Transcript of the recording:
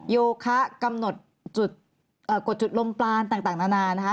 โยคะกดจุดลมปลานต่างนานานะคะ